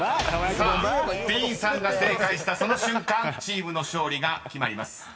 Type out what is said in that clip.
［さあディーンさんが正解したその瞬間チームの勝利が決まります］